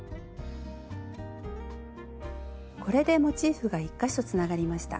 これでモチーフが１か所つながりました。